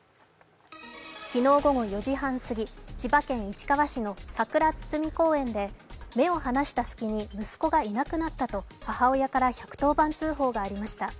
昨日午後４時半すぎ千葉県市川市のさくら堤公園で目を離した隙に息子がいなくなったと母親から１１０番通報がありました。